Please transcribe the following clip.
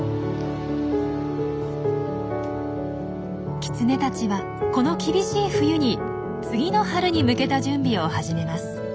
キツネたちはこの厳しい冬に次の春に向けた準備を始めます。